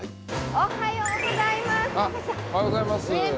おはようございます。